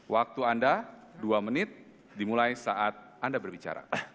waktu anda dua menit dimulai saat anda berbicara